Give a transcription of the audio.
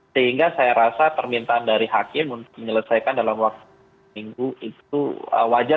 sehingga saya rasa permintaan dari hakim untuk menyelesaikan dalam waktu minggu itu wajar